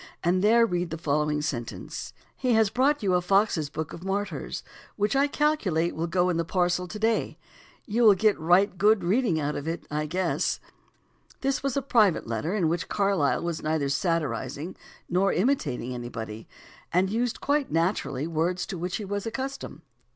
178) and there read the following sentence: "He has brought you a Fox's book of Martyrs, which I calculate will go in the parcel to day; you will get right good reading out of it, I guess." ^* The italics are my own. 246 THE ORIGIN OF CERTAIN AMERICANISMS 247 This was a private letter in which Carlyle was nei ther satirizing nor imitating anybody, and used quite naturally words to which he was accustomed.